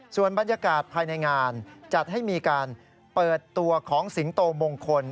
ส่วนบรรยากาศภายในงานจัดให้มีการเปิดตัวของสิงโตมงคล